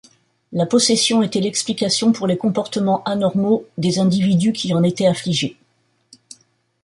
La possession était l'explication pour les comportements anormaux des individus qui en étaient affligés.